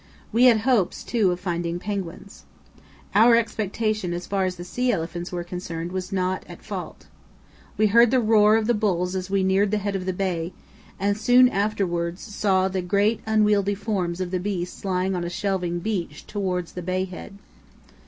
We had hopes, too, of finding penguins. Our expectation as far as the sea elephants were concerned was not at fault. We heard the roar of the bulls as we neared the head of the bay, and soon afterwards saw the great unwieldy forms of the beasts lying on a shelving beach towards the bay head.